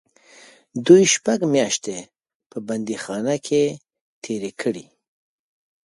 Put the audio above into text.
دوی شپږ میاشتې په بندیخانه کې تېرې کړې.